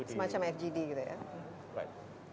semacam fgd gitu ya